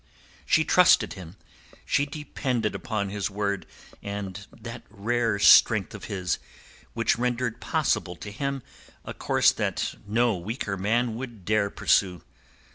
She trusted him; she depended upon his word and that rare strength of his which rendered possible to him a course that no weaker man would dare pursue.